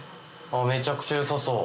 めちゃくちゃ良さそう。